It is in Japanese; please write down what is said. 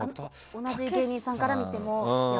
同じ芸人さんから見ても？